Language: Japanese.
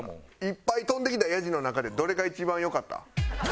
いっぱい飛んできたヤジの中でどれが一番良かった？